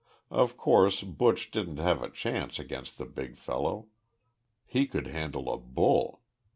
Of course, Buch didn't have a chance against the big fellow he could handle a bull.